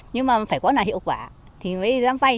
nhưng mà phải có nào hiệu quả thì mới dám vay